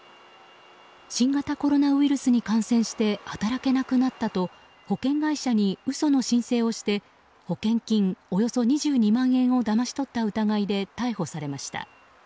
新型コロナウイルスに感染して働けなくなったと保険会社に嘘の申請をして保険金およそ２２万円をだまし取った疑いで逮捕されました。